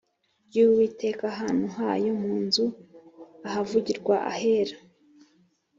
ry Uwiteka ahantu hayo mu nzu ahavugirwa Ahera